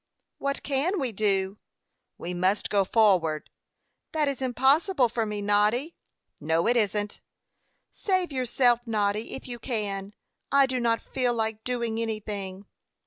"What can we do?" "We must go forward." "That is impossible for me, Noddy." "No, it isn't." "Save yourself, Noddy, if you can. I do not feel like doing anything."